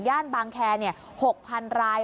ย่านบังแครนี่๖๐๐๐ราย